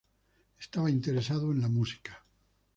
Estaba interesado en la música.